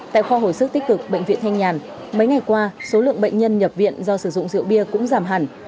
tại khoa hồi sức tích cực bệnh viện thanh nhàn mấy ngày qua số lượng bệnh nhân nhập viện do sử dụng rượu bia cũng giảm hẳn